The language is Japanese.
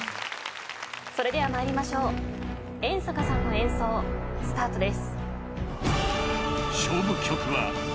それでは参りましょう遠坂さんの演奏スタートです。